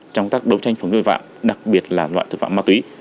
trong các đấu tranh phóng đối phạm đặc biệt là loại thực phạm ma túi